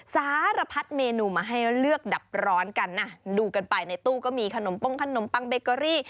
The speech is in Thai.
สารพัดเมนูมาให้เลือกดับร้อนกันนะดูกันไปในตู้ก็มีขนมป้งขนมปังเบเกอรี่